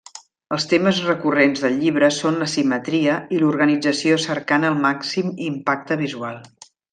Els temes recurrents del llibre són la simetria i l'organització cercant el màxim impacte visual.